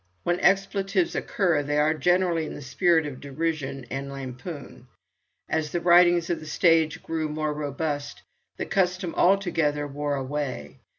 When expletives occur they are generally in the spirit of derision and lampoon. As the writings of the stage grew more robust, the custom altogether wore away.